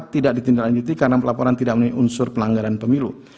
tidak ditindak lanjut karena pelaporan tidak menilai unsur pelanggaran pemilu